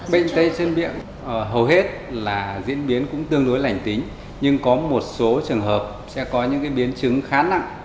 bệnh tay chân miệng hầu hết là diễn biến cũng tương đối lành tính nhưng có một số trường hợp sẽ có những biến chứng khá nặng